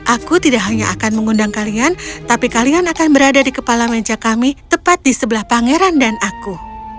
aku tidak hanya akan mengundang kalian tapi kalian akan berada di kepala meja kami tepat di sebelah pangeran dan aku